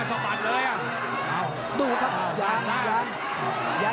โอ้แล้วก็น่าซะปัดเลยอ่ะ